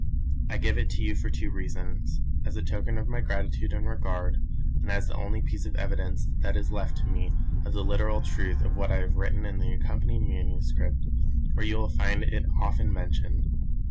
I give it to you for two reasons; as a token of my gratitude and regard, and as the only piece of evidence that is left to me of the literal truth of what I have written in the accompanying manuscript, where you will find it often mentioned.